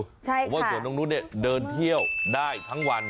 เพราะว่าสวนตรงนู้นเนี่ยเดินเที่ยวได้ทั้งวัน